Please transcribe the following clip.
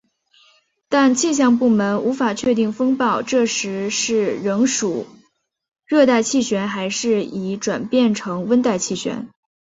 但气象部门无法确定风暴这时是仍属热带气旋还是已转变成温带气旋。